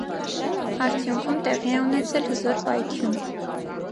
Արդյունքում տեղի է ունեցել հզոր պայթյուն։